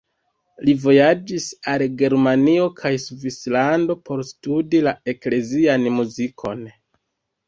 Li vojaĝis al Germanio kaj Svislando por studi la eklezian muzikon.